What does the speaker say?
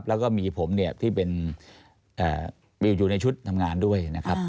แล้วก็มีผมที่อยู่ในชุดทำงานด้วย